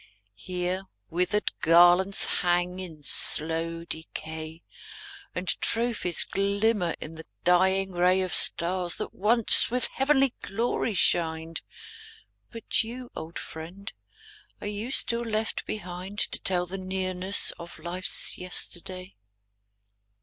Here, withered garlands hang in slow decay. And trophies glimmer in the dying ray Of stars that once with heavenly glory shined. 280 THE FALLEN But you, old friend, are you still left behind To tell the nearness of life's yesterday?